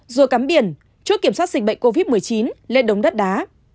rùa cắm biển chốt kiểm soát dịch bệnh covid một mươi chín lên đống đất đá